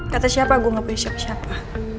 kata siapa gue gak punya siapa siapa